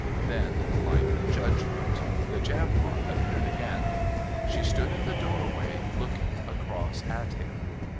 Then, like Judgment, the Jampot appeared again. She stood in the doorway, looking across at him.